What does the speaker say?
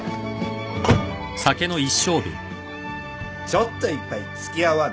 ちょっと一杯付き合わんな？